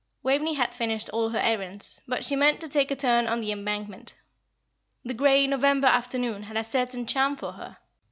Waveney had finished all her errands, but she meant to take a turn on the Embankment. The grey, November afternoon had a certain charm for her.